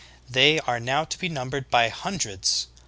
They are now to be numbered by hun dreds.